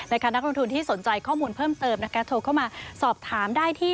นักลงทุนที่สนใจข้อมูลเพิ่มเติมนะคะโทรเข้ามาสอบถามได้ที่